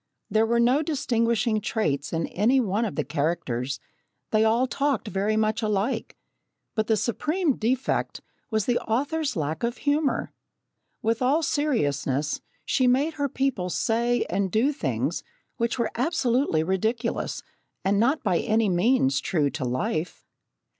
There were no distinguishing traits in any one of the characters they all talked very much alike. But the supreme defect was the author's lack of humour. With all seriousness, she made her people say and do things which were absolutely ridiculous and not by any means true to life.